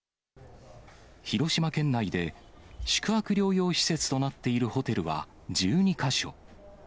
広島県内で宿泊療養施設となっているホテルは１２か所。